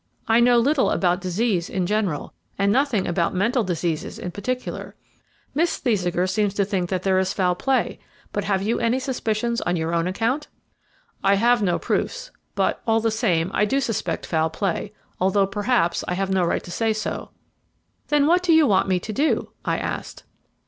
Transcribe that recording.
I know little about disease in general, and nothing about mental diseases in particular. Miss Thesiger seems to think that there is foul play; but have you any suspicions on your own account?" "I have no proofs, but, all the same, I do suspect foul play, although, perhaps, I have no right to say so." "Then what do you want me to do?" I asked.